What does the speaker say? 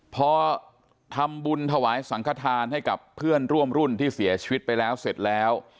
พอทำบุญถวายสังขทานให้กับเพื่อนร่วมรุ่นที่เสียชีวิตไปแล้วเสร็จแล้ว